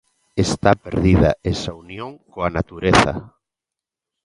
Está perdida esa unión coa natureza.